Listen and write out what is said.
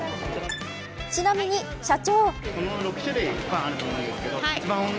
ちなみに社長。